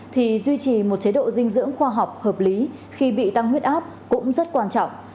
thì duy trì một chế độ dinh dưỡng khoa học hợp lý khi bị tăng huyết áp cũng rất quan trọng